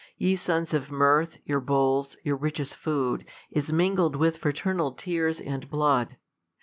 Ye sons of mirth, your bowls, your richest food., IS mingled with fraternal tears and blood.